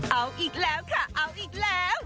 เอาอีกแล้วค่ะเอาอีกแล้ว